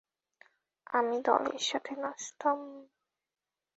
আমি দলের সাথে নাচতাম।